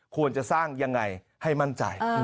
ควรจะสร้างยังไงให้มั่นใจ